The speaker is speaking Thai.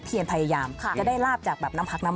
เรื่องของโชคลาบนะคะ